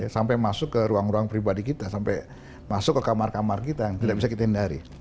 sampai masuk ke ruang ruang pribadi kita sampai masuk ke kamar kamar kita yang tidak bisa kita hindari